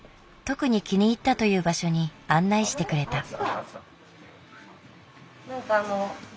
特に気に入ったという場所に案内してくれた。